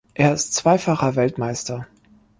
Er ist zweifacher Weltmeister.